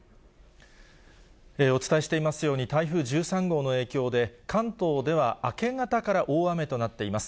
お伝えしていますように、台風１３号の影響で、関東では明け方から大雨となっています。